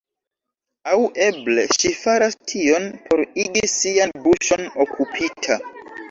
Aŭ eble, ŝi faras tion por igi sian buŝon okupita.